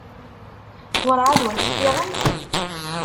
Werɛad ur teffiɣemt?